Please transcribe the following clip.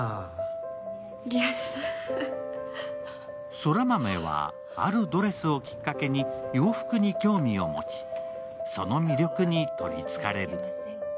空豆はあるドレスをきっかけに洋服に興味を持ち、その魅力に取りつかれる。